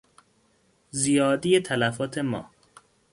زیادی تلفات ما